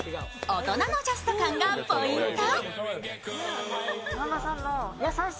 大人のジャスト感がポイント。